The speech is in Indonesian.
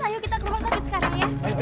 ayo kita ke rumah sakit sekarang ya